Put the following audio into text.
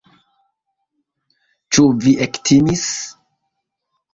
Ĉu vi ektimis?